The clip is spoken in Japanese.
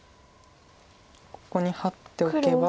ここにハッておけば。